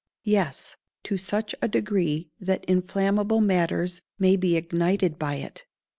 _ Yes; to such a degree that inflammable matters may be ignited by it.